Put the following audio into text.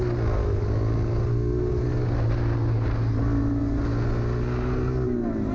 สีขาวใช่ป่ะ